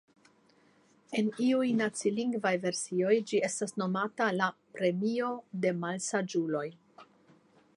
En iuj nacilingvaj versioj ĝi estas nomata la "Premio de malsaĝuloj".